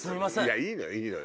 いいのよいいのよ。